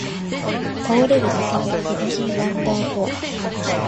倒れるだけで腹筋ワンダーコア